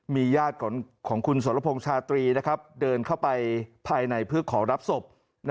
มีญาติของคุณสรพงษ์ชาตรีเดินเข้าไปภายในเพื่อขอรับศพ